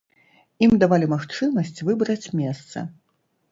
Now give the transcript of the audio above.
Ім давалі магчымасць выбраць месца.